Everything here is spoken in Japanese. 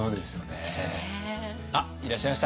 あっいらっしゃいました。